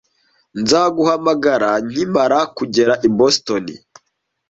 Nzaguhamagara nkimara kugera i Boston.